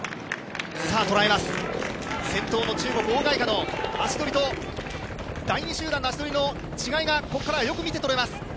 先頭の中国オウ・ガイカの足取りと第２集団の足取りの違いがここからは、よく見て取れます。